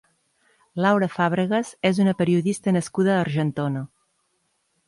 Laura Fàbregas és una periodista nascuda a Argentona.